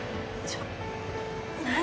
ちょっと。